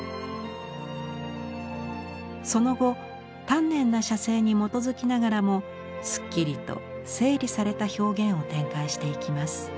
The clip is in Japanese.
その後丹念な写生に基づきながらもすっきりと整理された表現を展開していきます。